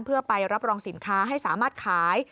เพื่อไปรับรองสินค้าให้สามารถขาย